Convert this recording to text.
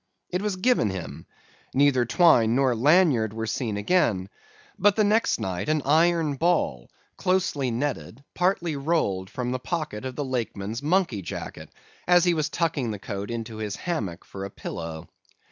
It was given him—neither twine nor lanyard were seen again; but the next night an iron ball, closely netted, partly rolled from the pocket of the Lakeman's monkey jacket, as he was tucking the coat into his hammock for a pillow.